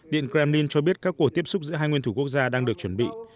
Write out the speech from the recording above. điện kremlin cho biết các cuộc tiếp xúc giữa hai nguyên thủ quốc gia đang được chuẩn bị